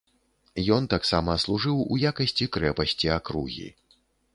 Ён таксама служыў у якасці крэпасці акругі.